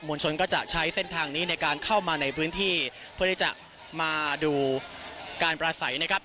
ลชนก็จะใช้เส้นทางนี้ในการเข้ามาในพื้นที่เพื่อที่จะมาดูการปราศัยนะครับ